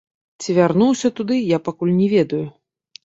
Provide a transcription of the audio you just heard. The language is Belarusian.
Ці вярнуся туды, я пакуль не ведаю.